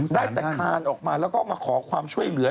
ได้แต่คานออกมาแล้วก็มาขอความช่วยเหลือ